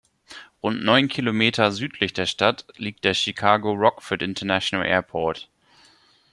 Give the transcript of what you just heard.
Rund neun Kilometer südlich der Stadt liegt der Chicago Rockford International Airport.